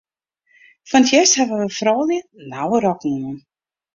Fan 't hjerst hawwe froulju nauwe rokken oan.